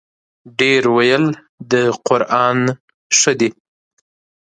ډېر ویل د قران ښه دی.